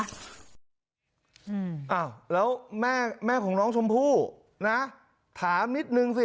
อ้าวแล้วแม่แม่ของน้องชมพู่นะถามนิดนึงสิ